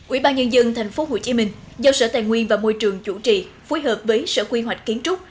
ubnd tp hcm do sở tài nguyên và môi trường chủ trì phối hợp với sở quy hoạch kiến trúc